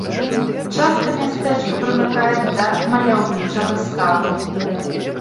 Частка мястэчка прымыкае да маляўнічага ставу.